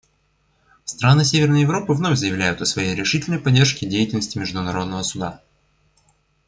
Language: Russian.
Страны Северной Европы вновь заявляют о своей решительной поддержке деятельности Международного Суда.